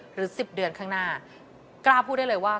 หรือ๑๐เดือนข้างหน้ากล้าพูดได้เลยว่า